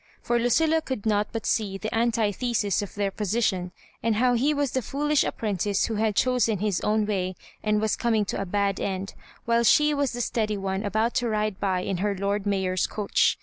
For Lucilla could not but see the antithesis of their position, and how he was the foolish apprentice who had chosen his own way and was coming to a bad end, while she was the steady one about to ride by in her Lord Mayor's coach.